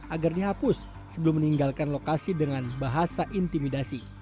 agar dihapus sebelum meninggalkan lokasi dengan bahasa intimidasi